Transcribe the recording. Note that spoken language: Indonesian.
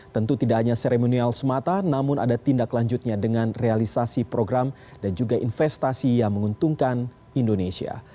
tentu tidak hanya seremonial semata namun ada tindak lanjutnya dengan realisasi program dan juga investasi yang menguntungkan indonesia